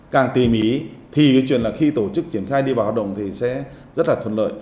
càng tỉ mỉ thì cái chuyện là khi tổ chức triển khai đi vào hoạt động thì sẽ rất là thuận lợi